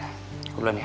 aku pulang ya